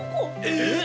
えっ？